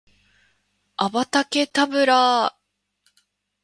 アバダ・ケタブラぁ！！！